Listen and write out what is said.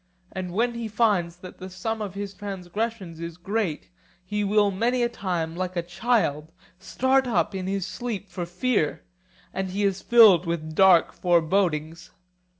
And when he finds that the sum of his transgressions is great he will many a time like a child start up in his sleep for fear, and he is filled with dark forebodings.